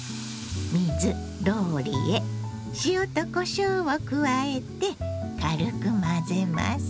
水ローリエ塩とこしょうを加えて軽く混ぜます。